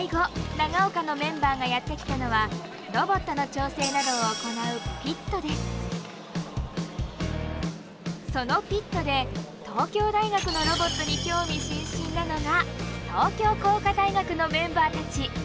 長岡のメンバーがやって来たのはロボットの調整などを行うそのピットで東京大学のロボットに興味津々なのが東京工科大学のメンバーたち。